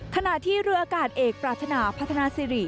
ขณะที่เรืออากาศเอกปรารถนาพัฒนาสิริ